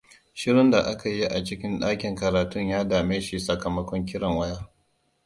Shirun da aka yi a cikin dakin karatun ya dame shi sakamakon kiran waya.